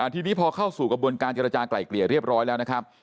ทีนี้พอเข้าสู่กระบวนการเจรจากลายเกลี่ยเรียบร้อยแล้วนะครับ